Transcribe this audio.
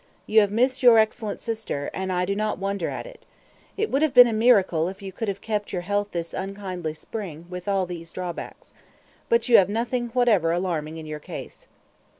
You have missed your excellent sister, and I do not wonder at it. It would have been a miracle if you could have kept your health this unkindly spring, with all these drawbacks. But you have nothing whatever alarming in your case."